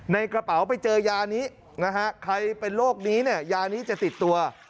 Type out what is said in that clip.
ในกระเป๋าไปเจอยานี้นะฮะใครเป็นโรคนี้เนี่ยยานี้จะติดตัว